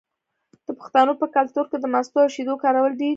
د پښتنو په کلتور کې د مستو او شیدو کارول ډیر دي.